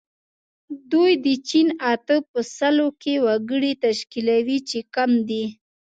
دوی د چین اته په سلو کې وګړي تشکیلوي چې کم دي.